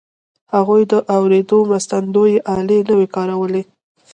هغوی د اورېدو مرستندويي الې نه وې کارولې